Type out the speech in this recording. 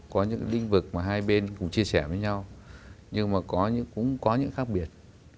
có những lĩnh vực mà hai bên cũng chia sẻ với nhau nhưng mà cũng có những khác biệt